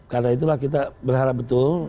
karena itulah kita berharap betul